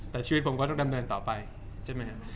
แต่ชีวิตผมก็ต้องดำเนินต่อไปใช่ไหมครับ